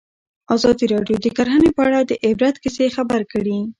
ازادي راډیو د کرهنه په اړه د عبرت کیسې خبر کړي.